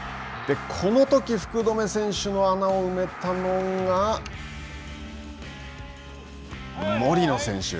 このとき、福留選手の穴を埋めたのが森野選手。